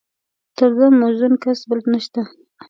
تر ده موزون کس بل نشته.